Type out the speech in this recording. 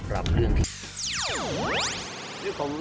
รับเรื่องที่